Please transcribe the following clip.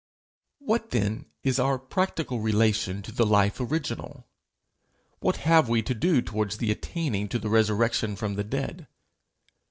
What then is our practical relation to the life original? What have we to do towards the attaining to the resurrection from the dead?